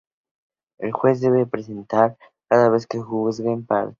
El juez debe estar presente cada vez que se juegan partidos.